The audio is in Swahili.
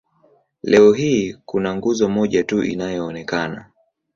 Leo hii kuna nguzo moja tu inayoonekana.